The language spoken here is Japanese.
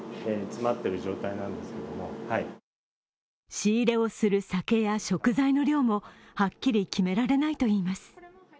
仕入れをする酒や食材の量もはっきり決められないといいます。